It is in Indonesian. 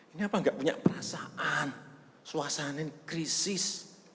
ini apa nggak punya perasaan suasanin krisis